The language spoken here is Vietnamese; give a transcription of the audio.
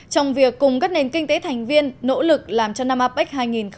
trong việc cùng các nền kinh tế thành viên nỗ lực làm cho năm apec hai nghìn hai mươi